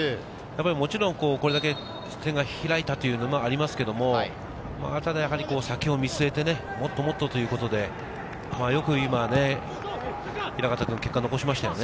もちろんこれだけ点が開いたというのもありますけど、先を見据えてもっともっとということでよく今平形君、結果を残しましたよね。